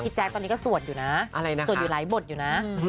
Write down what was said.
แจ๊คตอนนี้ก็สวดอยู่นะสวดอยู่หลายบทอยู่นะ